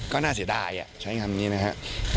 ก็น่าเสียดายใช้คำนี้นะครับ